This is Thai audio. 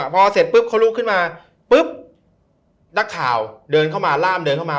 พอเสร็จปุ๊บเขาลุกขึ้นมาปุ๊บนักข่าวเดินเข้ามาล่ามเดินเข้ามา